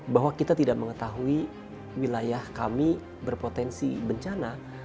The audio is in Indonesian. bahwa kita tidak mengetahui wilayah kami berpotensi bencana